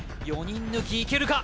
４人抜きいけるか？